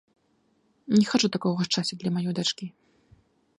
Не хачу такога шчасця для маёй дачкі!